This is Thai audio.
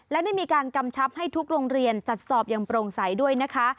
และได้มีการกำชับให้ทุกโรงเรียนจัดสอบอย่างโปร่งใสด้วยนะคะ